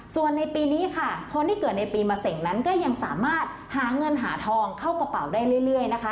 ส่วนในปีนี้ค่ะคนที่เกิดในปีมะเสงนั้นก็ยังสามารถหาเงินหาทองเข้ากระเป๋าได้เรื่อยนะคะ